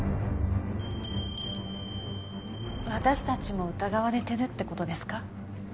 私達も疑われてるってことですか？